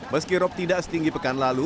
meski rop tidak setinggi pekan lalu